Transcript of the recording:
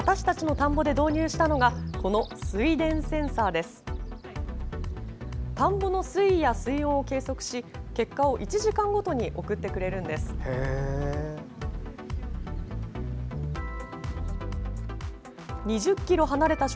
田んぼの水位や水温を計測し結果を１時間ごとに送ってくれます。